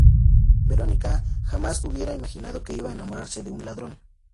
Verónica jamás hubiera imaginado que iba a enamorarse de un ladrón.